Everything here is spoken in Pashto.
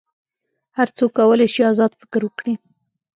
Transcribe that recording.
هر څوک کولی شي آزاد فکر وکړي.